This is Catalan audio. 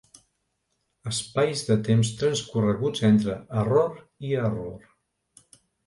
Espais de temps transcorreguts entre error i error.